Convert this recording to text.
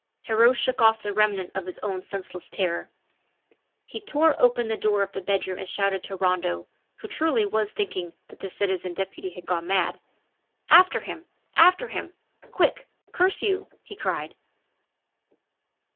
Heriot shook off the remnant of his own senseless terror; he tore open the door of the bedroom and shouted to Rondeau, who truly was thinking that the citizen deputy had gone mad: "After him! after him! Quick! curse you!" he cried.